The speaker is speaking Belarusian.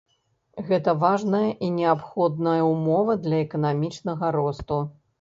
Гэта важная і неабходная ўмова для эканамічнага росту.